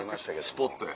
スポットや。